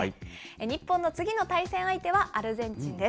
日本の次の対戦相手は、アルゼンチンです。